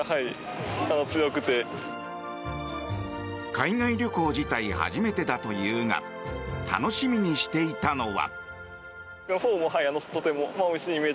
海外旅行自体初めてだというが楽しみにしていたのは。